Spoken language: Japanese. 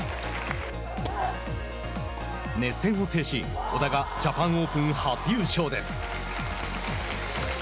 熱戦を制し、織田がジャパンオープン初優勝です。